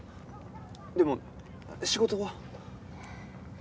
でも仕事は？